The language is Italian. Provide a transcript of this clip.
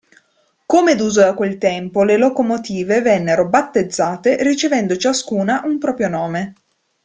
Come d'uso a quel tempo le locomotive vennero "battezzate" ricevendo ciascuna un proprio nome.